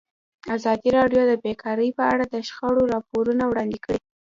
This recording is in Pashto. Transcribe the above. ازادي راډیو د بیکاري په اړه د شخړو راپورونه وړاندې کړي.